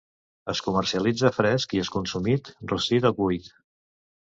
Es comercialitza fresc i és consumit rostit o cuit.